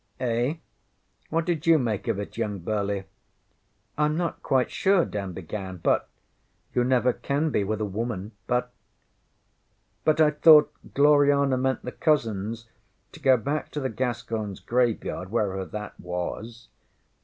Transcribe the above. ŌĆśEh? What did you make of it, young Burleigh? ŌĆÖ ŌĆśIŌĆÖm not quite sure, ŌĆÖ Dan began, ŌĆśbut ŌĆÖ ŌĆśYou never can be with a woman. But ?ŌĆÖ ŌĆśBut I thought Gloriana meant the cousins to go back to the GasconsŌĆÖ Graveyard, wherever that was.